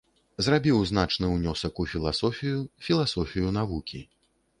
Зрабіў значны ўнёсак у філасофію, філасофію навукі.